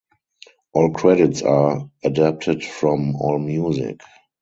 All credits are adapted from Allmusic.